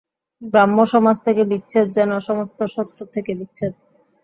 ব্রাহ্মসমাজ থেকে বিচ্ছেদ যেন সমস্ত সত্য থেকে বিচ্ছেদ।